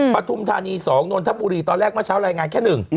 ปฐุมธานี๒นนทบุรีตอนแรกเมื่อเช้ารายงานแค่๑